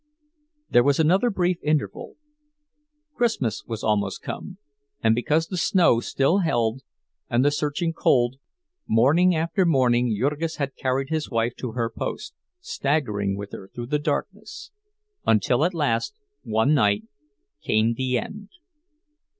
There was another brief interval. Christmas was almost come; and because the snow still held, and the searching cold, morning after morning Jurgis half carried his wife to her post, staggering with her through the darkness; until at last, one night, came the end.